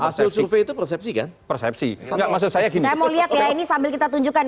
hasil survei itu persepsikan persepsi maksud saya gini lihat ya ini sambil kita tunjukkan